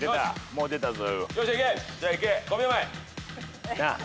もう出たぞ。